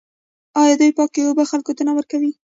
آیا دوی پاکې اوبه خلکو ته نه ورکوي؟